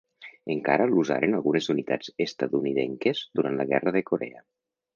Encara l'usaren algunes unitats estatunidenques durant la Guerra de Corea.